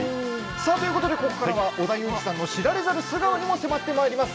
ここからは織田裕二さんの知られざる素顔にも迫っていきます。